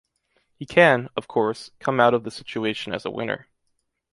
He can, of course, come out of the situation as a winner.